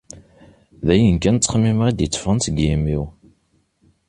D ayen kan i ttxemmimeɣ i d-itteffɣen seg yimi-w.